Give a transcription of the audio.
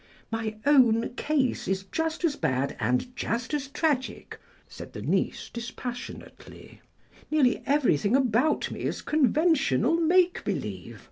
"My own case is just as bad and just as tragic," said the niece, dispassionately; "nearly everything about me is conventional make believe.